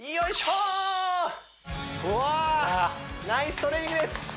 うわナイストレーニングです